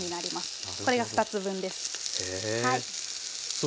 これが２つ分です。